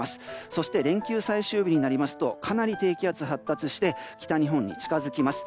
そして、連休最終日になりますとかなり低気圧が発達して北日本に近づきます。